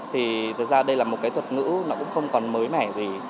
thì thực ra đây là một cái thuật ngữ nó cũng không còn mới mẻ gì